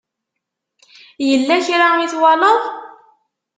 Yella kra i twalaḍ?